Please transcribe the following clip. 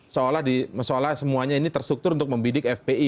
seolah semuanya ini terstruktur untuk membidik fpi